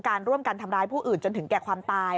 การร่วมกันทำร้ายผู้อื่นจนถึงแก่ความตาย